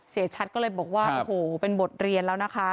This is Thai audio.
เสียชัดก็เลยบอกว่าโอ้โหเป็นบทเรียนแล้วนะคะ